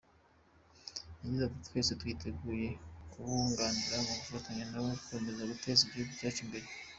Yagize ati "Twese twiteguye kubunganira no gufatanya nabo mu gukomeza guteza igihugu cyacu imbere.